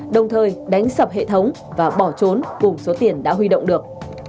đồng thời đánh sập hệ thống và bỏ trốn cùng số tiền đã huy động được